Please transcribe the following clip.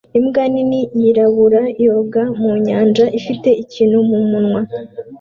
Imbwa nini yirabura yoga mu nyanja ifite ikintu mumunwa